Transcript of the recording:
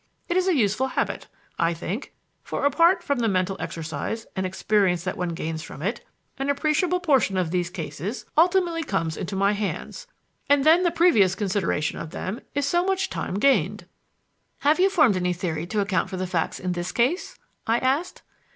It is a useful habit, I think, for, apart from the mental exercise and experience that one gains from it, an appreciable portion of these cases ultimately comes into my hands, and then the previous consideration of them is so much time gained." "Have you formed any theory to account for the facts in this case?" I asked.